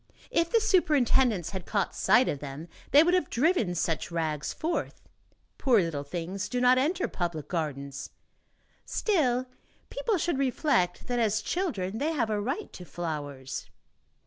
If the superintendents had caught sight of them, they would have driven such rags forth. Poor little things do not enter public gardens; still, people should reflect that, as children, they have a right to flowers.